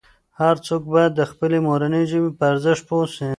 هر څوک باید د خپلې مورنۍ ژبې په ارزښت پوه سي.